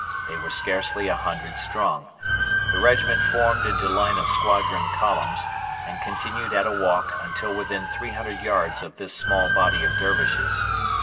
They were scarcely a hundred strong. The regiment formed into line of squadron columns, and continued at a walk until within 300 yards of this small body of Dervishes.